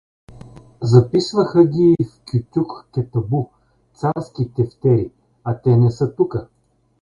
Записваха ги и в Кютюк кетабу — царски тефтери, а те не са тука.